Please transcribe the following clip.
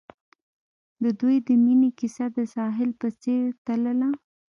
د دوی د مینې کیسه د ساحل په څېر تلله.